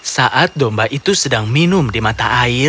saat domba itu sedang minum di mata air